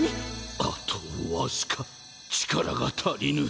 あと僅か力が足りぬ。